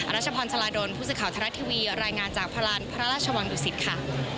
รัชพรชลาดลผู้สื่อข่าวทรัฐทีวีรายงานจากพลานพระราชวังดุสิตค่ะ